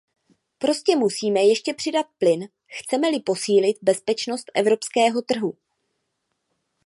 Prostě musíme ještě přidat plyn, chceme-li posílit bezpečnost evropského trhu.